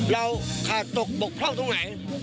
เราขาดตกบกพร่องตรงไหน